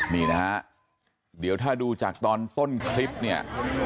นี่นะฮะเดี๋ยวถ้าดูจากตอนต้นคลิปเนี่ย